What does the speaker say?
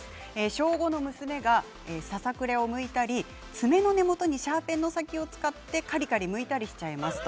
小５の娘がささくれをむいたり爪の根元をシャーペンの先を使ってむいたりしています。